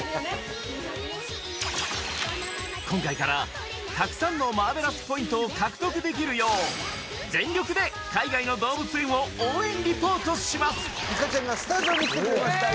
今回からたくさんのマーベラスポイントを獲得できるよう全力で海外の動物園を応援リポートしますいかちゃんがスタジオに来てくれました